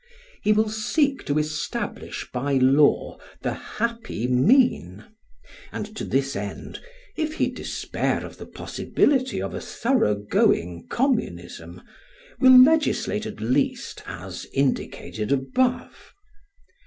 He will seek to establish by law the happy mean; and to this end, if he despair of the possibility of a thorough going communism, will legislate at least as indicated above.